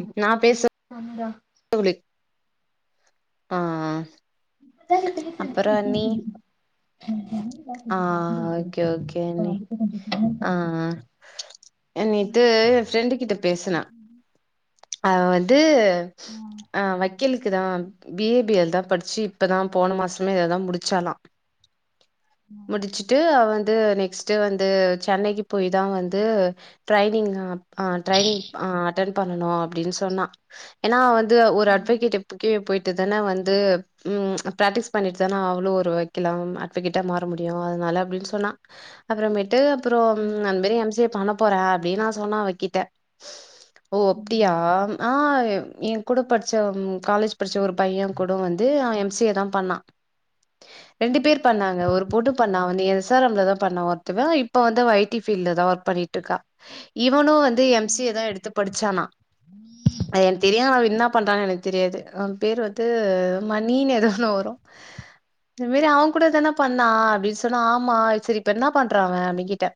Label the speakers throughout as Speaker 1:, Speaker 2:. Speaker 1: ம்
Speaker 2: நா பேச
Speaker 1: ஆமடா
Speaker 2: [unintelligible] ஆ
Speaker 1: இப்ப தா நீங்க பேசறதே
Speaker 2: அப்பறோ
Speaker 1: எனக்
Speaker 2: அண்ணி
Speaker 1: கேக்குது [inaudible]
Speaker 2: ஆ ஓகே ஓகே அண்ணி ஆ நேத்து எ ஃப்ரெண்டு கிட்ட பேசுன அவ வந்து
Speaker 1: கேக்குதுடா
Speaker 2: ஆஹ் வக்கீல் க்கு தா பி ஏ பி எல் தா படிச்சு இப்ப தா போன மாசமே அதா முடிச்சாளா முடிச்சுட்டு அவ வந் து நெக்ஸ்டு வந்து சென்னைக்கு போய் தா வந்து ட்ரைனிங்கு ஆ, ட்ரைனிங் அ, அட்டன் பண்ணனு அப்டின் சொன்னா ஏனா வந் து ஒரு அட்வெகேட் [inaudible] போய் ட்டு தான வந்து ம் ப்ராக்ட்டிஸ் பண்ணி தான ஆவணு ஒரு வக்கீலாவு அட்வகேட்டா மாற முடியு அதுனால அப்டின் சொன்ன அப்றோ [unintelligible] டு அப்பறோ அந் மாரி எம் சி ஏ பண்ண போறே அப்டி நா சொன்னே அவக்கிட்ட ஓ அப்டியா ஆஹ்ய்ம் என் கூட படிச்ச ம் காலேஜ் படிச்ச ஒரு பைய கூட வந்து அ, எம் சி ஏ தா பண்ணா ரெண்டு பேர் பண்ணாங்க ஒரு போட்டு பண்ணா வந்து எஸ் ஆர் எம் ல தா பண்ணா ஒருத்தவ இப்ப வந்து அவ ஐ டி ஃபீல்ல தா ஒர்க் பண்ணிட்ருக்கா இவனு வந்து எம் சி ஏ தா எடுத்து படிச்சானா [unintelligible] தெரியு அவ என்னா பண்றானு எனக்கு தெரியாது அவ பேர் வந்து மணின்னு ஏதோ ஒன்னு வரு இந் மாரி அவ கூட தான பண்ணா அப்டி சொன்னா ஆமா செரி இப்ப என்ன பண்றா அவ அப்படி கேட்டே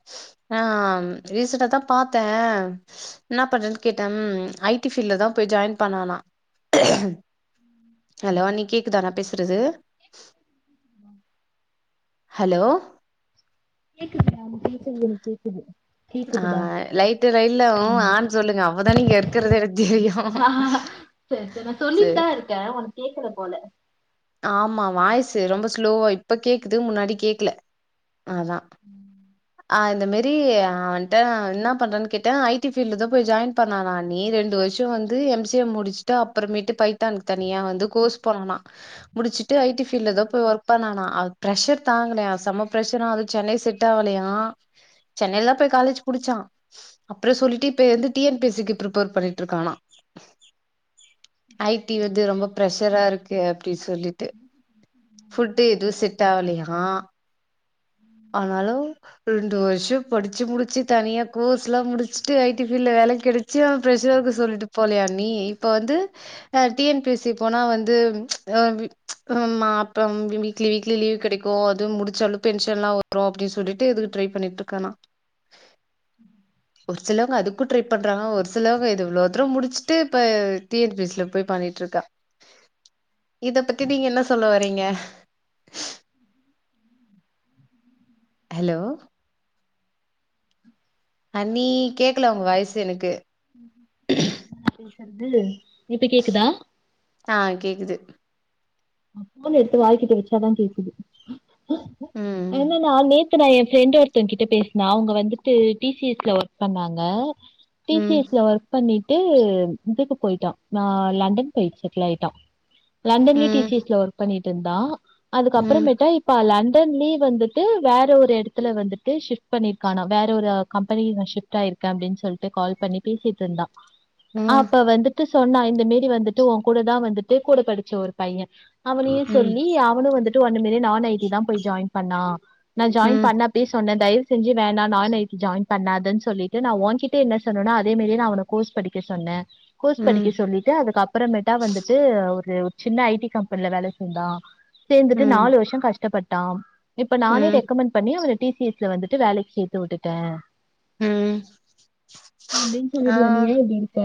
Speaker 2: ஆஹ், ரீசன்டா தா பாத்தே என்னா பண்றனு கேட்டே ம், ஐ டி ஃபீல்ல தா போய் ஜாயின் பண்ணானா ஹலோ அண்ணி கேக்குதா நா பேஸ் சறது ஹலோ
Speaker 1: கேக்குதுடா நீ பேசர்து எனக் கேக்குது கேக்குதுடா
Speaker 2: ஆஹ் லைட்டு லைன்ல உ,
Speaker 1: ம்
Speaker 2: ஆன் சொல்லுங்க அப்ப தா நீங்க இர்க்கறது எனக்கு தெரியு
Speaker 1: ஆஹா, சரி சரி நா
Speaker 2: சேரி
Speaker 1: சொல்லிட்டுதா இருக்கே உனக்கு கேக்கல போல
Speaker 2: ஆமா வாய்ஸ் து ரொம்ப ஸ்லோவா இப்ப கேக்குது முன்னாடி கேக்கல அதா ஆஹ் இந்த மாரி அவன்ட்ட நா என்னா பண்றன் கேட்டே ஐ டி ஃபீல்ல தா போய் ஜாய்ன் பண்ணானா அண்ணி ரெண்டு வருஷோ வந்து எம் சி ஏ முடிச்சுட்டு அப்பறமேட்டு பைத்தான் தனியா வந்து கோர்ஸ் போனானா முடிச்சிட் டு ஐ டி ஃபீல்ல தா போய் ஒர்க் பண்ணானா அது ப்ரஷர் தாங்கலயா செம்ம ப்ரஷர்ரா அது சென்னை செட் ஆவலையா சென்னைல் தா போய் காலேஜ் முடிச்சா அப்பறோ சொல்லிட்டு இப்ப வந்து டி என் பி சி க்கு ப்ரிப்பர் பண்ணிட்ருக்கானா ஐ டி வந்து ரொம்ப ப்ரஷரா இருக்கு அப்டி சொல்லிட்டு ஃபுட்டு எது செட் ஆவலையா ஆனாலு ரெண்டு வருஷோ படிச்சு முடிச்சு தனியா கோர்ஸ் எல்லா முடிச்சுட்டு ஐ டி ஃபீல்ல வேல கெடச்சு ப்ரஷராருக்கு சொல்லிட்டு போலயா அண்ணி இப்ப வந்து அஹ் டி என் பி சி போனா வந்து [unintelligible] ப்ப ம் வி வீக்லி வீக்லி கெடைக் ஓ அதுவு முடிச்சாலு பென்ஷன்லா அப்றோ அப்டி சொல்லிட்டு இதுக்கு ட்ரை பண்ணிட்ருக்கானா
Speaker 1: உம்
Speaker 2: சிலவுங்க அதுக்கு ட்ரை பண்றாங்க ஒரு சிலவுங் இது இவ்ளோ தூரொ முடிச் டு இப்ப T N P S C ல போய் பண்ணிட்ருக்கா இத பத்தி நீங்க என்ன சொல்ல வரீங்க ஹெலோ அண்ணி கேக்கல உங்க வாய்ஸு எனக்கு
Speaker 1: [unintelligible]
Speaker 2: ஆ கேக்குது
Speaker 1: அ ஃபோன் எடுத்து வாய்கிட்ட வெச்சாதா கேக்குது
Speaker 2: ம்
Speaker 1: என்னனா நேத் த்து நா ஏ ஃப்ரெண்டு ஒருத்தங்கிட்ட பேசுன அவ்ங்க வந்துட்டு டி சி எஸ் ல ஒர்க் பண்ணாங்க டி சி
Speaker 2: ம்
Speaker 1: எஸ் ல ஒர்க் பண்ணிட் ட்டு இதுக்கு போயிட்டா நா லண்டன் போய்ட் செட்டில் ஆயிட்டா லண்டன்லே
Speaker 2: ம்
Speaker 1: டிஸ் சி எஸ் ல ஒர்க் பண்ணிட் ட்ருந்தா அதுக்கு
Speaker 2: ம்
Speaker 1: அப்றமேட்டா இப்ப லண் டன்லே வந்துட்டு வேற ஒரு எடத்துல வந்துட்டு ஷிஃப்ட் பண்ணிருக்கானா வேற ஒரு கம்பெனில ஷிஃப்ட் ஆயிருக்க அப்டின் சொல்ட்டு கால் பண்ணி பேசிட்ருந்தா
Speaker 2: ம்
Speaker 1: அப்ப வந்துட்டு சொன்னா இந்த மேரி வந்துட்டு ஓங் கூட தா வந்துட்டு கூட படிச்ச ஒரு பைய அவனையு
Speaker 2: ம்
Speaker 1: சொல்லி அவனு வந்துட் டு அந்த மேரி நான் ஐ டி தா போய் ஜாயின் பண்ணா நா ஜாயின்
Speaker 2: ம்
Speaker 1: பண்ணப்பயே சொன்ன தயவு செஞ்சு வேணா நான் ஐ டி ஜாயின் பண்ணாதன் சொல்லிட்டு நா ஓங்கிட்டே என்ன சொன்னனோ அதே மேரியே நா அவன கோர்ஸ் படிக்க சொன்ன கோர்ஸ் படிக்க
Speaker 2: ம்
Speaker 1: சொல்லிட்டு அதுக்கு அப்பறமேட்டா வந்துட்டு ஒரு து ஒரு சின்ன ஐ டி கம்பெனில வேலைக் சேந்தா சேந்துட்டு
Speaker 2: ம்
Speaker 1: நாலு வர்ஷொ கஷ்டப்பட் ட்டா இப்ப நானே
Speaker 2: ம்
Speaker 1: ரெக்கமெண்ட் பண்ணி அவன டி சி சி எஸ் ல வந்துட்டு வேலக்கி சேத்து உட்டுட்ட
Speaker 2: ம்
Speaker 1: அப்டின்
Speaker 2: ஆ
Speaker 1: சொல்லிலா நீ ஏ இப்டி இருக்க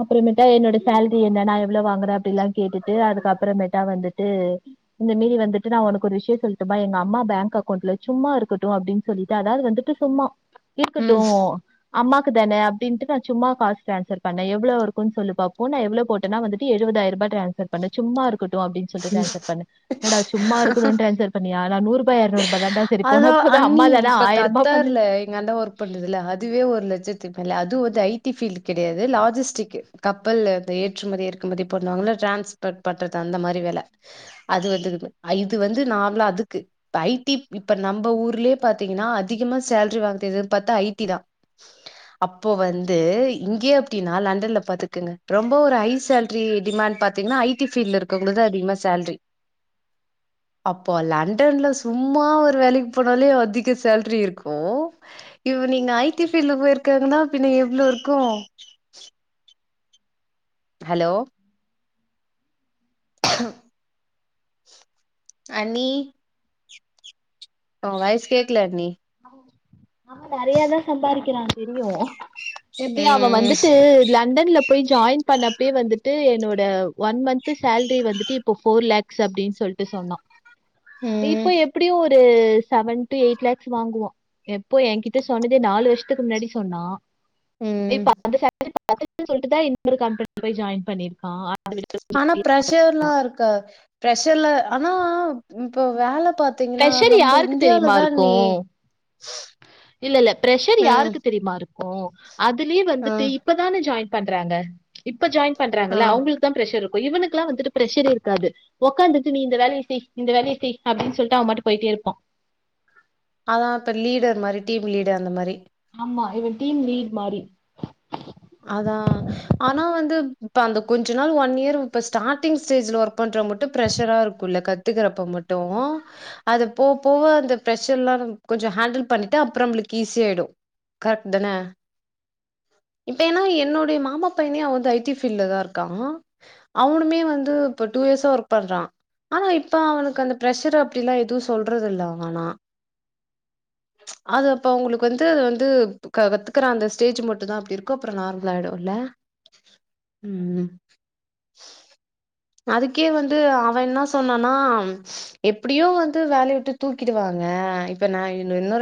Speaker 1: அப்றமேன்ட் என்னோட சேல்ரி என்ன நா எவ்ளோ வாங்குறே அப்டிலா கேட்டுட்டு அதுக்கப் ப்றமேட்டா வந்துட்டு இந்த மீதி வந்துட்டு நா ஒனக்கு ஒரு ஷட்டு சொல்ட்டுமா எங்க அம்மா பேங்க் அக்கௌண்ட்ல சும்மா இருக்கட்டு அப்டின் சொல்லிட்டு அதாவது வந்துட்டு சும்மா இருக்கட்டூ
Speaker 2: ம்
Speaker 1: அம்மாக்கு தன அப்டின்ட்டு நான் சும்மா காஸ் டிரான்ஸ்ர் பண்ணுனேன் எவ்ளோ இருக்கும் சொல்லு பாபோனு நான் எவ்ளோ போட்டன்னா வந்துடு எழுவது ஆயிரம் டிரான்ஸர் பண்ணுனேன் சும்மா இருக் தோ அப்டின்னு சொல்லிட்டு டிரான்ஸர் பண்னே என்னடா சும்மா இருக்குனுண்டு ட்ரான்ஸர் பண்ணியா அதா நூறு
Speaker 2: அதான் அண்ணி
Speaker 1: தான
Speaker 2: இப்ப
Speaker 1: ஆயிரரூபா பண்ணு
Speaker 2: கத்தார்ல எங்க அண்ணன் ஒர்க் பண்ணுதுல அதுவே ஒரு லட்சத்து மேல அது வந்து ஐ டி ஃபீல்டு கிடையாது லாஜிஸ்டிக் கப்பல் ஏற்றுமதி இறக்குமதி பண்ணுவாங்கல்ல டிரான்ஸ்போர்ட் பண்றது அந்த மாதிரி வேல அது வந்திருந்து இது வந்து நார்மலா அதுக்கு ஐடிப் இப்ப நம்ம ஊரிலே பாத்தீங்கன்னா அதிகமா சேலரி வாங்குறது எது பாத்தா ஐ டி தான் அப்போ வந்து இங்கே இப்டின்னா லண்டன்ல அதுக்குங்க ரொம்ப ஒரு ஹாய் சேலரி டிமாண்ட் பாத்தீங்கன்னா ஐ டி ஃபீல்டுல இருக்கவங்ளுக்கு தான் அதிகமா சேலரி அப்போ லண் லண்டன்ல சும்மா ஒரு வேலைக்கு போனாலே அதிக சேலரி இருக்கூ இவ் நீங்க ஐ டி ஃபீல்டுல போயிருக்கனா பின்ன எவ்ளோ இருக்க ஹலோ அண்ணி ஒங்க வாய்ஸ் கேக்கல அண்ணி
Speaker 1: ஆமா நெறையாதான் சம்பாரிகிறான் தெரியு எப்டி அவ
Speaker 2: ம்
Speaker 1: வந்துட்டு லண்டன்ல போய் ஜாயின் பண்ணப்பே வந்துட்டு என்னோட ஒன் மந்த் சேலரி வந்துட்டு இப்போ போர்லக்ஸ் அப்டினு சொல்லிட்டு சொன்னா இப்ப
Speaker 2: ம்
Speaker 1: எப்பிடியு ஒ இது செவன் டு எய்ட் லாக் வாங்குவோ எப்போ என் கிட்ட சொன்னதே நாலு வருஷத்துக்கு முன்னாடி சொன்னா இப்
Speaker 2: ம்
Speaker 1: [unintelligible] [unintelligible] சொல்ட்டுதான் [unintelligible] கம்பெனில போய் ஜாயின் பண்ணிருகா
Speaker 2: ஆனா பிரஷர்லா இருக்கா பிரஷ ல்ல ஆனா இப்ப வேல ப் பாத்தீங்னா
Speaker 1: ப்ரெஷர்
Speaker 2: நம்ம
Speaker 1: யாருக்கு
Speaker 2: இந்தியால
Speaker 1: தெரியுமா
Speaker 2: தான் நீ
Speaker 1: இருக்கு இல்ல இல்ல பிரஷர் யாருக்கு தெரியுமா இருக் ஓ அதிலே
Speaker 2: ஆ
Speaker 1: வந்துட்டு இப்பதானே ஜாயின் பண்றாங்க இப் இப்ப ஜாயின்
Speaker 2: ஆ
Speaker 1: பண்றாங்கல்ல அவங்களுக்கு தான் பிரஷர் இருக் இவனுகெல்லா வந்துட்டு பிரஷர் இருக்காது உட்கார்ந்துட்டு நீ இந்த வேலைய செய் இந்த வேலைய செய் அப்டினு சொல்லிட்டு அவன் பாட்டுக்கு போயிட்டே இருப்பா
Speaker 2: அதான் இப்ப லீடர் மாரி டீம் லீடர் அந்த மாரி
Speaker 1: ம்மா இவன் டீம் லீட் மாரி
Speaker 2: அதான் ஆனா வந்து இப்ப அந்த கொஞ்ச நாள் ஒன் இயர் இப்ப ஸ்டார்டிங் ஸ்டேஜ்ல ஒர்க் பண்ற மட்டும் ப்ரெஷரா இருக்குல்ல கத்துக்கறப்ப மட்டூ அத போக போக அந்த ப்ரெஷர் எல்லாம் கொஞ்சம் ஹேண்டில் பண்ணிட்டு அப்புறம் நம்மளுக்கு ஈஸியாடும் கரெட் தன இப்ப ஏன்னா என்னுடைய மாமா பையனே அவன் வந்து ஐ டி ஃபீல்டல தான் இருக்கான் அவனுமே வந்து இப்ப டூ இயர்ஸா ஒர்க் பண்றான் ஆனா இப்ப அவனுக்கு அந்த பிரஷர் அப்டிலாம் எதுவு சொல்றது இல்ல அவன் ஆனா அது அப்ப அவங்களுக்கு வந்து வந்து கத்துக்கற அந்த ஸ்டேஜ் மட்டும் தான் அப்டி இருக் அதுக் அப்றோ நார்மல் ஆயிடும் இல்ல ம்ம் அதுக்கே வந்து அவன் என்ன சொன்னா எப்பிடியும் வந்து வேலய விட்டு தூக்கிடுவாங்க இப்ப நா இன்னொரு